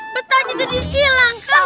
petanya tadi ilang kan